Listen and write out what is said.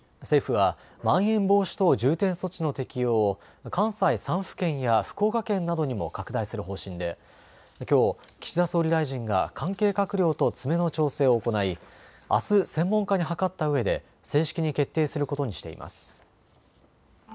政府はまん延防止等重点措置の適用を関西３府県や福岡県などにも拡大する方針できょう、岸田総理大臣が関係閣僚と詰めの調整を行い、あす、専門家に諮ったうえで正式に決定することにしています。